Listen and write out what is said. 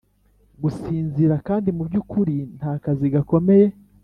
gusinzira kandi mu by’ukuri nta kazi gakomeye.